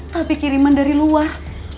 tapi kiriman dari luar